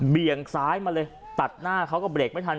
เบี่ยงซ้ายมาเลย